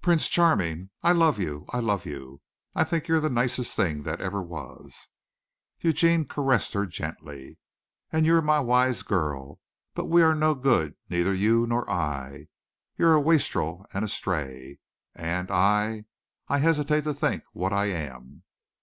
Prince Charming! I love you! I love you! I think you're the nicest thing that ever was." Eugene caressed her gently. "And you're my wise girl. But we are no good, neither you nor I. You're a wastrel and a stray. And I I hesitate to think what I am."